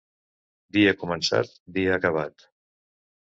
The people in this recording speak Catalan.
Dia començat, dia acabat.